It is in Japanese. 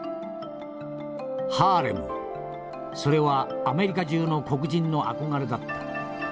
「ハーレムそれはアメリカ中の黒人の憧れだった。